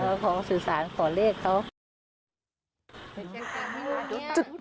เออเขาสื่อสารขอเร็วเข้า